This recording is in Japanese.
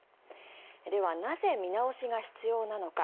ではなぜ見直しが必要なのか。